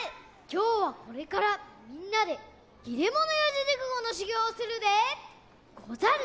きょうはこれからみんなで「切れ者四字熟語」のしゅぎょうをするでござる！